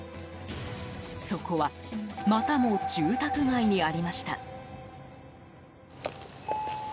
そこはまたも住宅街にありました。